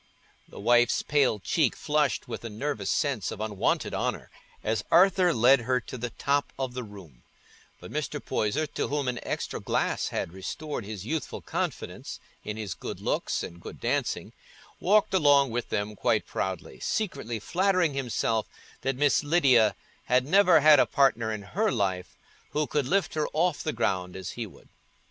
The wife's pale cheek flushed with a nervous sense of unwonted honour as Arthur led her to the top of the room; but Mr. Poyser, to whom an extra glass had restored his youthful confidence in his good looks and good dancing, walked along with them quite proudly, secretly flattering himself that Miss Lydia had never had a partner in her life who could lift her off the ground as he would.